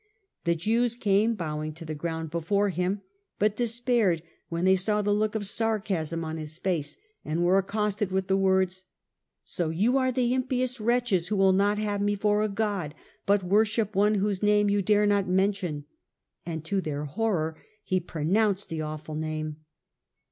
The Jews came bowing to the ground before him, but despaired when they saw the look of sarcasm on his face, and were accosted with the words, ' So you are the impious wretches who will not have me for a god, but worship one whose name you dare not mention,' and to their horror he pronounced the awful name.